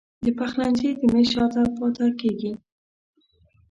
د پخلنځي د میز شاته پاته کیږې